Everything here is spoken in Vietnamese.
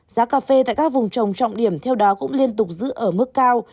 giá cà phê tại các vùng trồng trọng điểm theo đó cũng liên tục giữ ở mức cao